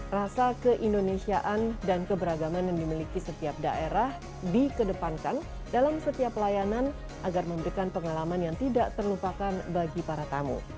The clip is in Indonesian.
rasa keindonesiaan dan keberagaman yang dimiliki setiap daerah dikedepankan dalam setiap pelayanan agar memberikan pengalaman yang tidak terlupakan bagi para tamu